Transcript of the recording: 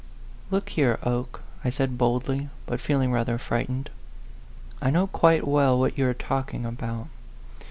123 " Look here, Oke," I said boldly, but feel ing rather frightened; "I know quite well what you are talking about.